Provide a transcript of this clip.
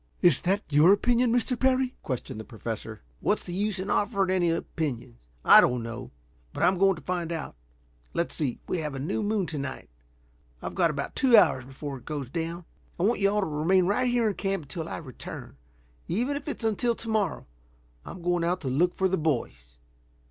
"Is that your opinion, Mr. Parry?" questioned the Professor. "What's the use in offering any opinions? I don't know. But I'm going to find out. Let's see. We have a new moon to night. I've got about two hours before it goes down. I want you all to remain right here in camp until I return. Even if it's until to morrow. I'm going out to look for the boys."